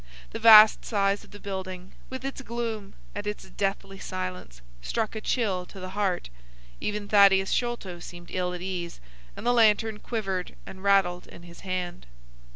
The vast size of the building, with its gloom and its deathly silence, struck a chill to the heart. Even Thaddeus Sholto seemed ill at ease, and the lantern quivered and rattled in his hand.